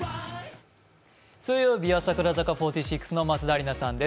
水曜日は櫻坂４６の松田里奈さんです。